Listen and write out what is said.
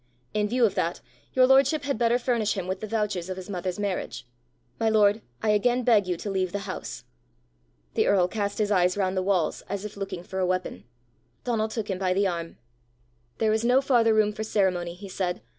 In view of that, your lordship had better furnish him with the vouchers of his mother's marriage. My lord, I again beg you to leave the house." The earl cast his eyes round the walls as if looking for a weapon. Donal took him by the arm. "There is no farther room for ceremony," he said.